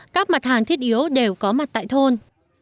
các mặt hàng thiết yếu đều có mặt tại thôn